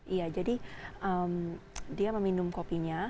iya jadi dia meminum kopinya